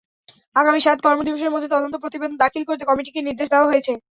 আগামী সাত কর্মদিবসের মধ্যে তদন্ত প্রতিবেদন দাখিল করতে কমিটিকে নির্দেশ দেওয়া হয়েছে।